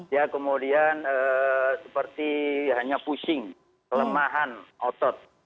ya kemudian seperti hanya pusing kelemahan otot